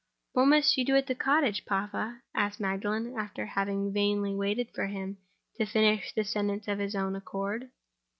"What must you do at the cottage, papa?" asked Magdalen, after having vainly waited for him to finish the sentence of his own accord.